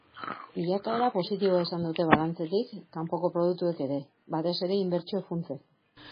Bilakaera positiboa izan dute balantzetik kanpoko produktuek ere, batez ere inbertsio-funtsek.